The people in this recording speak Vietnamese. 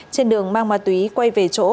trên đường mang ma túy quay về chỗ